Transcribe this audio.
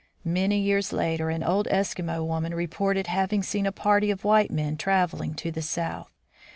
Many years later an old Eskimo woman reported having seen a party of white men traveling to the south.